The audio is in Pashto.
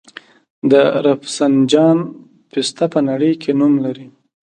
د رفسنجان پسته په نړۍ کې نوم لري.